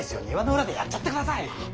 庭の裏でやっちゃってください。